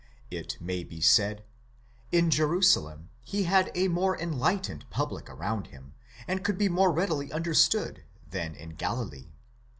It may be said: in Jerusalem he had a more enlightened public around him, and could be more readily understood than in Galilee.